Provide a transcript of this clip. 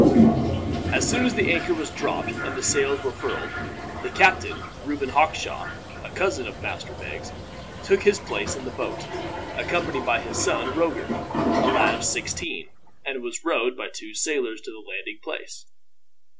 As soon as the anchor was dropped and the sails were furled, the captain, Reuben Hawkshaw, a cousin of Master Beggs, took his place in the boat, accompanied by his son Roger, a lad of sixteen, and was rowed by two sailors to the landing place.